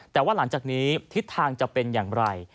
แต่ว่าหลังจากนี้ทิศทางจะเป็นอย่างไร